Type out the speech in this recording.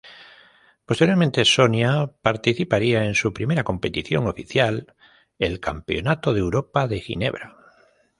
Posteriormente, Sonia participaría en su primera competición oficial, el Campeonato de Europa de Ginebra.